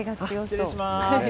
失礼します。